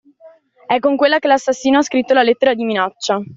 È con quella che l'assassino ha scritto la lettera di minaccia.